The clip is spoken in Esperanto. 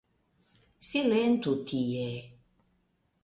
Silentu tie!